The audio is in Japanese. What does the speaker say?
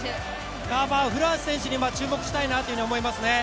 古橋選手に注目したいなと思いますね。